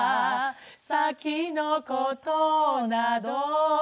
「先のことなど」